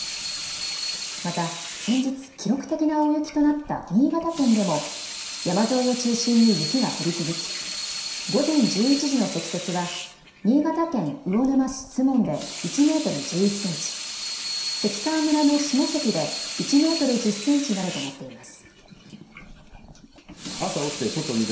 また先日、記録的な大雪となった新潟県でも山沿いを中心に雪が降り続き午前１１時の積雪は新潟県魚沼市守門で１メートル１１センチ、関川村の下関で１メートル１０センチなどとなっています。